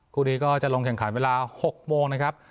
คู่นี้ก็จะลงแข่งขันเวลา๖โมงนะครับ